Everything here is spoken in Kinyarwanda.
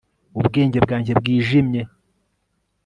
ubwenge bwanjye bwijimye